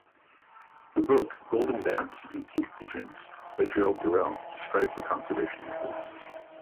The book "Golden Bats and Pink Pigeons" by Gerald Durrell describes the conservation efforts.